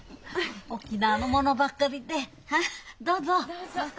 沖縄のものばかりでどうぞ。